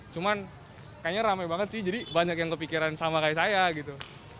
cuman kayaknya rame banget sih jadi banyak yang kepikiran sama kayak saya gitu